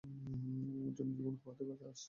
ওর জন্য জীবন খোয়াতে চাস?